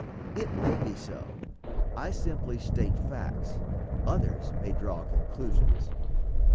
It may be so. I simply state facts, others may draw conclusions.